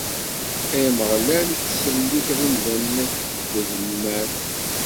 Ay Ameɣlal, tettsellikeḍ imdanen akked lmal.